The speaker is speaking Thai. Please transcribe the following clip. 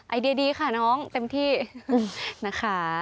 ไอเดียดีค่ะน้องเต็มที่นะคะ